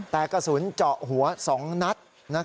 แต่กระสุนเจาะหัว๒นัด